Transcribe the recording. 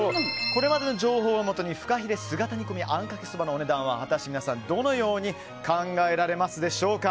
これまでの情報をもとにフカヒレ姿煮込みあんかけそばのお値段は果たして皆さんどのように考えられますでしょうか。